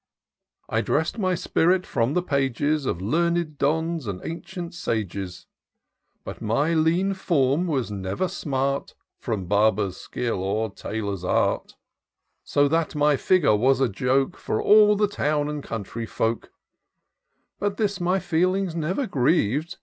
I dress'd my spirit from the pages Of learned Dons and ancient Sages ; But my lean form was never smart From barber's skiU or tailor's art ; So that my figure was a joke For all the town and country folk : But this my feelings never griev'd.